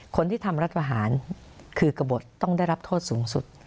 คนที่ทำรัฐประหารคือกระบดต้องได้รับโทษสูงสุด